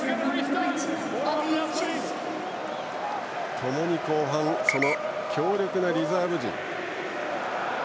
ともに後半強力なリザーブ陣。